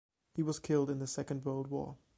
He was killed in the Second World War.